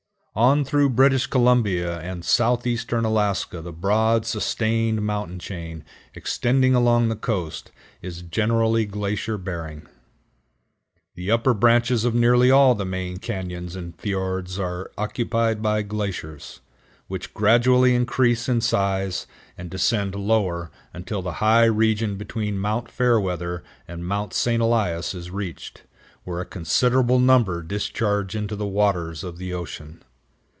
On through British Columbia and southeastern Alaska the broad, sustained mountain chain, extending along the coast, is generally glacier bearing. The upper branches of nearly all the main cañons and fiords are occupied by glaciers, which gradually increase in size, and descend lower until the high region between Mount Fairweather and Mount St. Elias is reached, where a considerable number discharge into the waters of the ocean.